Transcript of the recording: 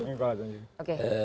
ini kuala tanjung